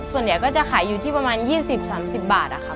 ส่วนใหญ่ก็จะขายอยู่ที่ประมาณ๒๐๓๐บาทค่ะ